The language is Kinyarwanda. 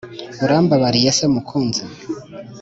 urambabariye se mukunzi?